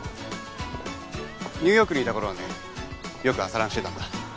ニューヨークにいた頃はねよく朝ランしてたんだ。